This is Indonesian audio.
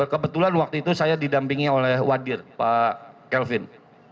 kebetulan waktu itu saya didampingi oleh wadir pak kelvin